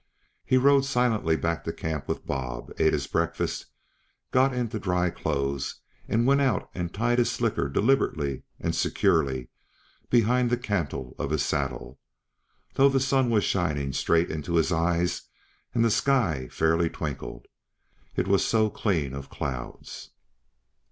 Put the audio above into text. He rode silently back to camp with Bob, ate his breakfast, got into dry clothes and went out and tied his slicker deliberately and securely behind the cantle of his saddle, though the sun was shining straight into his eyes and the sky fairly twinkled, it was so clean of clouds.